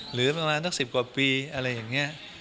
หรือประมาณสัก๑๐กว่าปีอะไรอย่างนี้